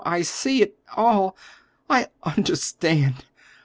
I see it all! I understand.